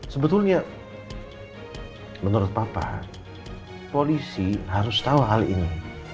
sebetulnya menurut papa polisi harus tahu hal ini